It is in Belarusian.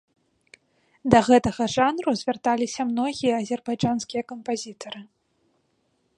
Да гэтага жанру звярталіся многія азербайджанскія кампазітары.